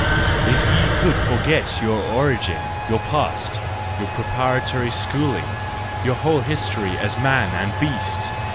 If ye could forget your origin, your past, your preparatory schooling,—your whole history as man and beast!